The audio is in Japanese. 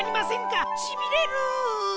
しびれる。